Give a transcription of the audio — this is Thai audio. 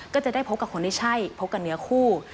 ก็จะได้พบกับคนที่ใช่พบกันเนื้อคู่